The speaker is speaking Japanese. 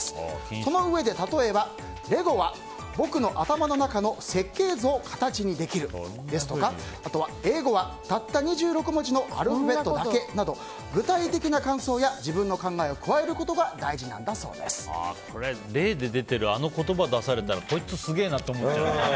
そのうえで例えばレゴは僕の頭の中の設計図を形にできるですとか英語はたった２６文字のアルファベットだけなど具体的な感想や自分の考えを加えることがこれ、例で出てるあの言葉を出されたらこいつ、すげえなって思っちゃう。